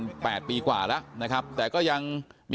เพราะไม่เคยถามลูกสาวนะว่าไปทำธุรกิจแบบไหนอะไรยังไง